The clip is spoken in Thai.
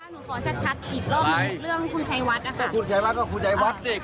นี่แหละครับคือนายกถูกถาม๒รอบนะครับ